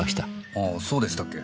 ああそうでしたっけ？